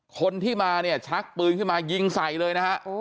คนที่มาเนี่ยชักปืนขึ้นมายิงใส่เลยนะฮะ